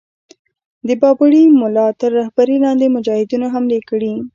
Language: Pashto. د بابړي مُلا تر رهبری لاندي مجاهدینو حملې کړې.